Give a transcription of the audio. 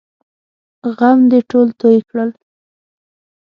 غم دې ټول توی کړل!